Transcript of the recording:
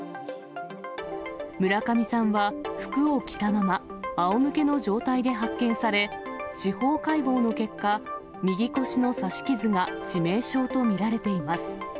村上さんは服を着たまま、あおむけの状態で発見され、司法解剖の結果、右腰の刺し傷が致命傷と見られています。